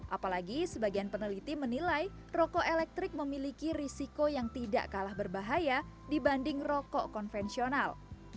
apalagi sebagian peneliti menilai rokok elektrik memiliki risiko yang tidak kalah berbahaya dibanding rokok konvensional